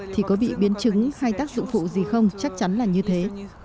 thì có bị biến chứng hay tác dụng phụ gì không chắc chắn là như thế